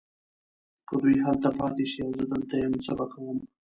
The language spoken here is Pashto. که دوی هلته پاته شي او زه دلته یم څه به کوم؟